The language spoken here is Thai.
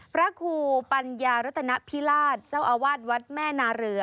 พระครูปัญญารัตนพิราชเจ้าอาวาสวัดแม่นาเรือ